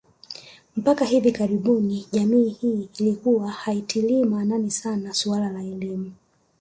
Mpaka hivi karibuni jamii hii ilikuwa haitilii maanani sana suala la elimu